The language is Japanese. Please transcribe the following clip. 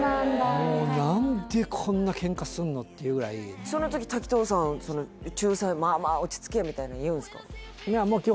もう何でこんなケンカすんの？っていうぐらいまあまあ落ち着けみたいな言うんですか？